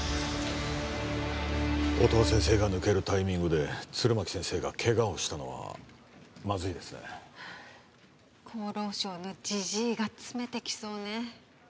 音羽先生が抜けるタイミングで弦巻先生がケガをしたのはまずいですね厚労省のジジイが詰めてきそうね